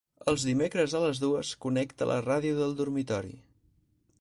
Els dimecres a les dues connecta la ràdio del dormitori.